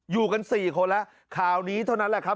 อยู่กัน๔คนแล้วข่าวนี้เท่านั้นแหละครับ